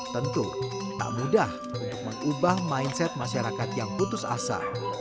tentu tak mudah untuk mengubah mindset masyarakat yang putus asa